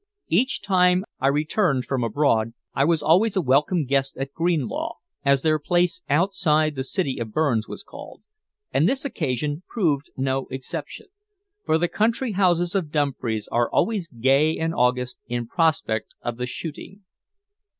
Each time I returned from abroad I was always a welcome guest at Greenlaw, as their place outside the city of Burns was called, and this occasion proved no exception, for the country houses of Dumfries are always gay in August in prospect of the shooting.